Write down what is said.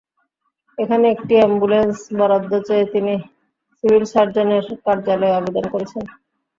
এখানে একটি অ্যাম্বুলেন্স বরাদ্দ চেয়ে তিনি সিভিল সার্জনের কার্যালয়ে আবেদন করেছেন।